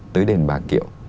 tới đền bà kiệu